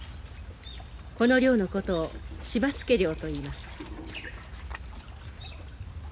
この漁のことを柴つけ漁といいます。